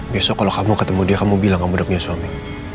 besok kalau kamu ketemu dia kamu bilang kamu duduknya suami